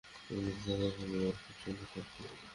অন্যথায় তোমার পরিবার স্বাচ্ছন্দ্যে থাকতো।